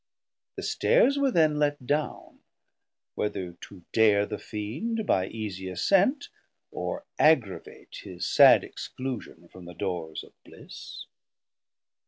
The Stairs were then let down, whether to dare The Fiend by easie ascent, or aggravate His sad exclusion from the dores of Bliss.